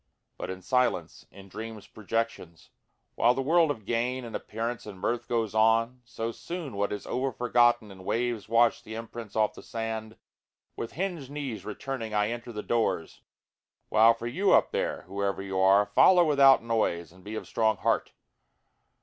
But in silence, in dreamsâ projections, While the world of gain and appearance and mirth goes on, So soon what is over forgotten, and waves wash the imprints off the sand, With hinged knees returning I enter the doors, (while for you up there, Whoever you are, follow without noise and be of strong heart.)